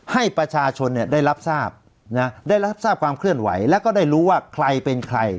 ให้ประชาชนได้รับทราบได้รับทราบความเคลื่อนไหวแล้วก็ได้รู้ว่าใครเป็นใคร